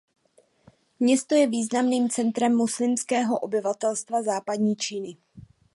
Město je významným centrem muslimského obyvatelstva západní Číny.